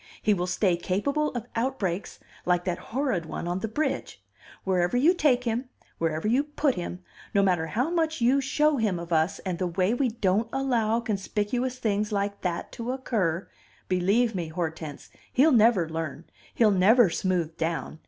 He will stay capable of outbreaks like that horrid one on the bridge. Wherever you take him, wherever you put him, no matter how much you show him of us, and the way we don't allow conspicuous things like that to occur, believe me, Hortense, he'll never learn, he'll never smooth down.